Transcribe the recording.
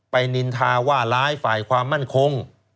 นินทาว่าร้ายฝ่ายความมั่นคง